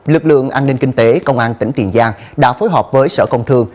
lực lượng an ninh kinh tế công an tỉnh tiền giang đã phối hợp với sở công thương